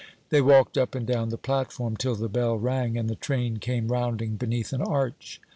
They walked up and down the platform till the bell rang and the train came rounding beneath an arch.